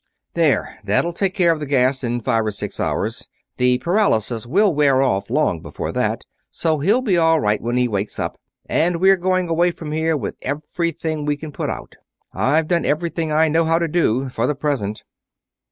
"There! That'll take care of the gas in five or six hours. The paralysis will wear off long before that, so he'll be all right when he wakes up; and we're going away from here with everything we can put out. I've done everything I know how to do, for the present."